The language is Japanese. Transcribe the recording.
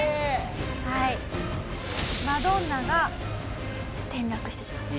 はいマドンナが転落してしまったと。